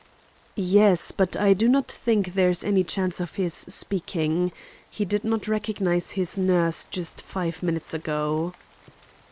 "Yes, but I do not think there is any chance of his speaking. He did not recognize his nurse five minutes ago."